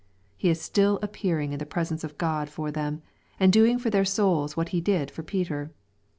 He is still appearing in the presence of God for them, and doing for their souls what He did for Peter.